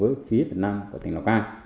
lợi dụng địa hình hiểm trở